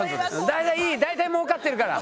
大体もうかってるから。